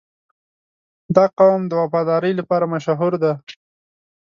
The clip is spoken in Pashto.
• دا قوم د وفادارۍ لپاره مشهور دی.